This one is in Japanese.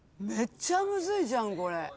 めっちゃむずいじゃんこれ。